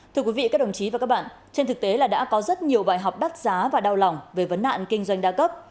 thưa quý vị các đồng chí và các bạn trên thực tế là đã có rất nhiều bài học đắt giá và đau lòng về vấn nạn kinh doanh đa cấp